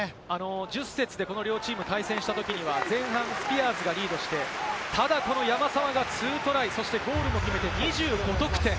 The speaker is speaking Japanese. １０節で両チーム対戦したときには前半スピアーズがリードして、ただこの山沢が２トライ、そしてゴールも決めて２５得点。